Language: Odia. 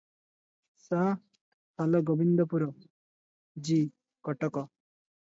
ସା:ହାଲ ଗୋବିନ୍ଦପୁର ଜି:କଟକ ।